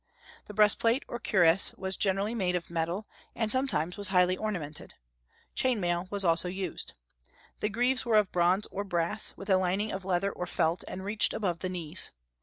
The breastplate, or cuirass, was generally made of metal, and sometimes was highly ornamented. Chain mail was also used. The greaves were of bronze or brass, with a lining of leather or felt, and reached above the knees.